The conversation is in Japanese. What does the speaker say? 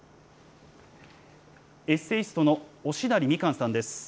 エッセイストの忍足みかんさんです。